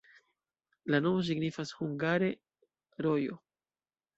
La nomo signifas hungare: rojo.